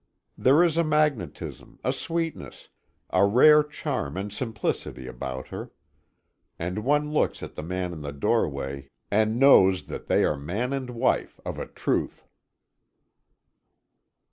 There is a magnetism, a sweetness, a rare charm and simplicity about her. And one looks at the man in the doorway, and knows that they are man and wife, of a truth.